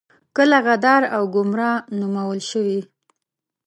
کله غدار او ګمرا نومول شوي.